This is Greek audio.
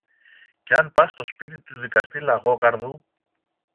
και αν πας στο σπίτι του δικαστή Λαγόκαρδου